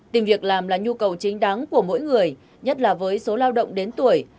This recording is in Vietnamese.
tìm việc làm là nhu cầu chính đáng của mỗi người nhất là với số lao động đến tuổi